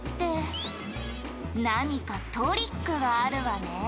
「何かトリックがあるわね」